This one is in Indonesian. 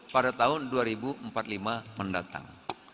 pada tahun dua ribu empat puluh lima mendatang